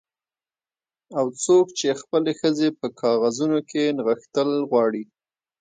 او څوک چې خپلې ښځې په کاغذونو کې نغښتل غواړي